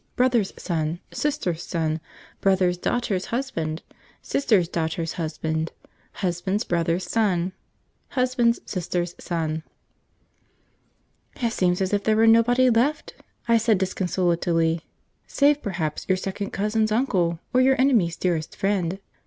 Brother's Son. Sister's Son. Brother's Daughter's Husband.. Sister's Daughter's Husband. Husband's Brother's Son. Husband's Sister's Son." "It seems as if there were nobody left," I said disconsolately, "save perhaps your Second Cousin's Uncle, or your Enemy's Dearest Friend."